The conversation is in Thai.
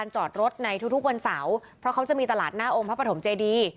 จอดรถในทุกวันเสาร์เพราะเขาจะมีตลาดหน้าองค์พระปฐมเจดี